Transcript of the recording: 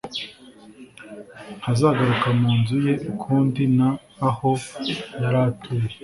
ntazagaruka mu nzu ye ukundi n aho yari atuye